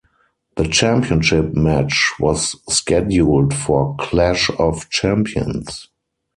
The championship match was scheduled for Clash of Champions.